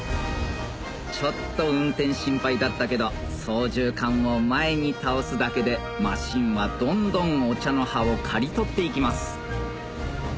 ちょっと運転心配だったけど操縦かんを前に倒すだけでマシンはどんどんお茶の葉を刈り取って行きます